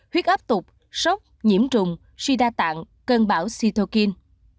huyết áp tục sốc nhiễm trùng suy đa tạng cơn bão sitokin